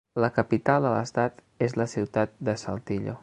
La capital de l'estat és la ciutat de Saltillo.